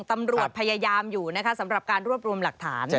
ตำรวจพยายามอยู่นะคะสำหรับการรวบรวมหลักฐาน